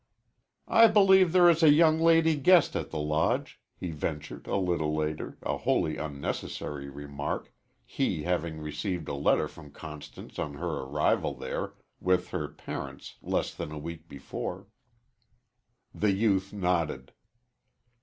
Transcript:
"I believe there is a young lady guest at the Lodge," he ventured a little later a wholly unnecessary remark he having received a letter from Constance on her arrival there, with her parents, less than a week before. The youth nodded.